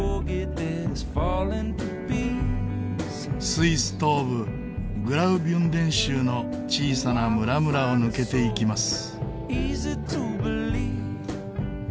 スイス東部グラウビュンデン州の小さな村々を抜けていきます。